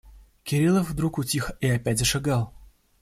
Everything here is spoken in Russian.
Кириллов вдруг утих и опять зашагал.